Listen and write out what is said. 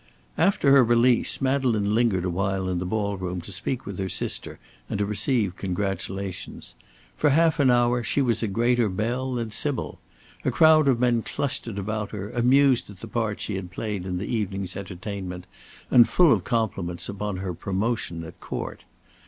After her release Madeleine lingered awhile in the ball room to speak with her sister and to receive congratulations. For half an hour she was a greater belle than Sybil. A crowd of men clustered about her, amused at the part she had played in the evening's entertainment and full of compliments upon her promotion at Court.